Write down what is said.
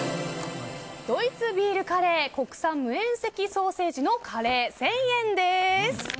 ドイツビールカレー国産無塩せきソーセージのカレー１０００円です。